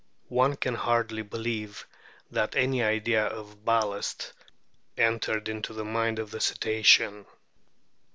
One can hardly believe that any idea of ballast entered into the mind of the Cetacean.